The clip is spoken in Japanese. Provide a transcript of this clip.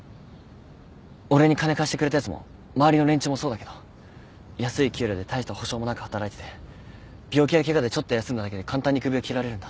俺に金貸してくれたやつも周りの連中もそうだけど安い給料で大した保障もなく働いてて病気やケガでちょっと休んだだけで簡単に首を切られるんだ。